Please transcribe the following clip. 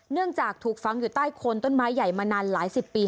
จากถูกฝังอยู่ใต้โคนต้นไม้ใหญ่มานานหลายสิบปี